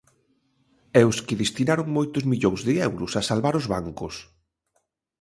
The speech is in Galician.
E os que destinaron moitos millóns de euros a salvar os bancos.